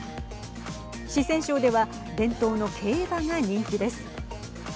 四川省では伝統の競馬が人気です。